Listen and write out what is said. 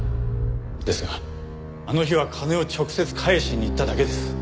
ですがあの日は金を直接返しに行っただけです。